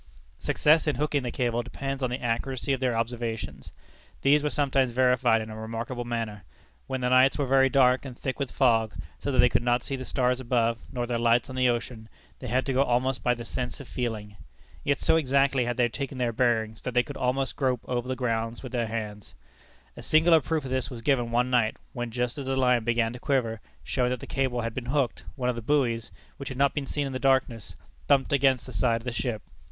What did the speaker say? Success in hooking the cable depends on the accuracy of their observations. These were sometimes verified in a remarkable manner. When the nights were very dark and thick with fog, so that they could not see the stars above nor their lights on the ocean, they had to go almost by the sense of feeling. Yet so exactly had they taken their bearings, that they could almost grope over the ground with their hands. A singular proof of this was given one night, when, just as the line began to quiver, showing that the cable had been hooked, one of the buoys which had not been seen in the darkness thumped against the side of the ship.